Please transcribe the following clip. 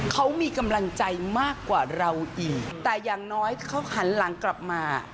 เขามีกำลังใจมากกว่าเราอีกแต่อย่างน้อยเขาหันหลังกลับมา